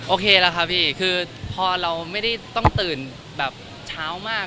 โอเคแล้วค่ะพี่คือพอเราไม่ได้ต้องตื่นแบบเช้ามาก